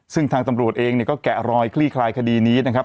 ซึ่งทางตำรวจเองเนี่ยก็แกะรอยคลี่คลายคดีนี้นะครับ